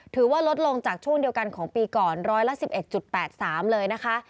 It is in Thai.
ถือว่าลดลงจากช่วงเดียวกันของปีก่อนร้อยละ๑๑๘๓เลยนะคะ